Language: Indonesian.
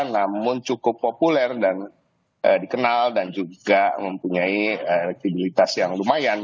namun cukup populer dan dikenal dan juga mempunyai elektibilitas yang lumayan